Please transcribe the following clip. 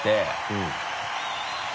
うん。